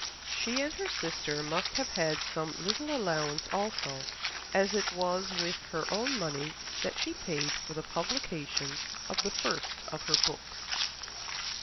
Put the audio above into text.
She and her sister must have had some little allowance also, as it was with her own money that she paid for the publication of the first of her books.